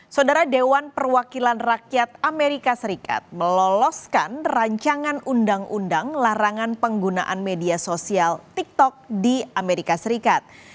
saudara dewan perwakilan rakyat amerika serikat meloloskan rancangan undang undang larangan penggunaan media sosial tiktok di amerika serikat